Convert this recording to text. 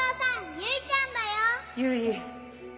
ゆい！